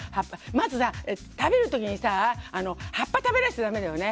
まずは食べる時にさ葉っぱを食べなくちゃだめよね。